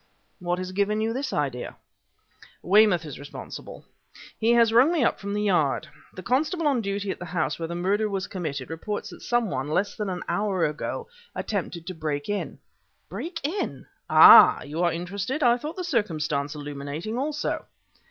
"What has given you this idea?" "Weymouth is responsible. He has rung me up from the Yard. The constable on duty at the house where the murder was committed, reports that some one, less than an hour ago, attempted to break in." "Break in!" "Ah! you are interested? I thought the circumstance illuminating, also!"